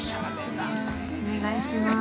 お願いします。